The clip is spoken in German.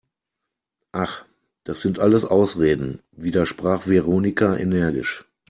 Ach, das sind alles Ausreden!, widersprach Veronika energisch.